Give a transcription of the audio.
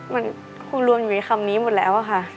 มันคงรวมอยู่ในคำนี้หมดแล้วอะค่ะ